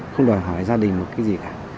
không đòi hỏi gia đình một cái gì cả